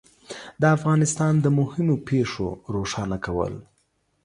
د افغانستان د مهمو پېښو روښانه کول